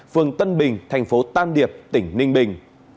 phường tân bình thành phố tam điệp tỉnh ninh bình